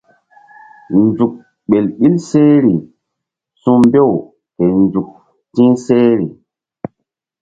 Nzuk ɓel ɓil sehri su̧mbew ke nzuk ti̧h sehri.